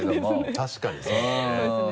確かにそうだね。